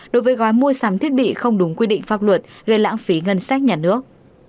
đối với gói mua sắm thiết bị không đúng quy định pháp luật gây lãng phí ngân sách nhà nước